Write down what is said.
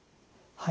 はい。